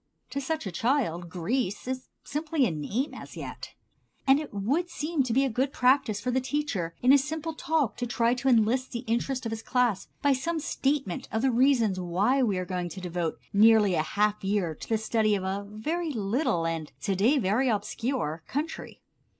To such a child Greece is simply a name as yet. And it would seem to be a good practice for the teacher in a simple talk to try to enlist the interest of his class by some statement of the reasons why we are going to devote nearly a half year to the study of a very little, and to day very obscure, country.